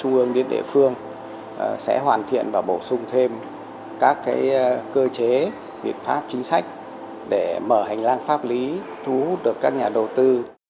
vương đến địa phương sẽ hoàn thiện và bổ sung thêm các cơ chế biện pháp chính sách để mở hành lang pháp lý thu hút được các nhà đầu tư